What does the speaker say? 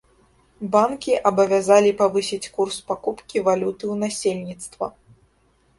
Банкі абавязалі павысіць курс пакупкі валюты ў насельніцтва.